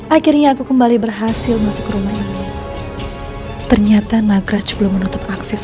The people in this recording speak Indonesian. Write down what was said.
akhirnya aku kembali berhasil masuk rumah ini ternyata nagraj belum menutup akses